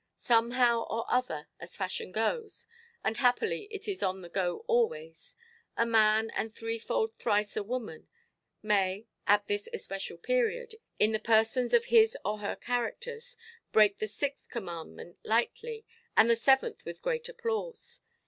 Somehow or other, as fashion goes—and happily it is on the go always—a man, and threefold thrice a woman, may, at this especial period, in the persons of his or her characters, break the sixth commandment lightly, and the seventh with great applause.